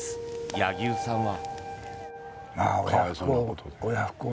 柳生さんは。